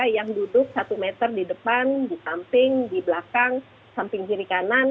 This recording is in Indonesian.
yang duduk satu meter di depan di samping di belakang samping kiri kanan